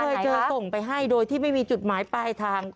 ก็เลยเจอส่งไปให้โดยที่ไม่มีจุดหมายปลายทาง